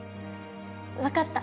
わかった。